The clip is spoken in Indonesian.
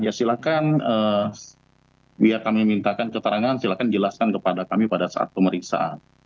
ya silahkan biar kami mintakan keterangan silahkan jelaskan kepada kami pada saat pemeriksaan